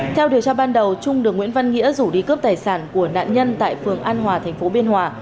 theo điều tra ban đầu trung được nguyễn văn nghĩa rủ đi cướp tài sản của nạn nhân tại phường an hòa thành phố biên hòa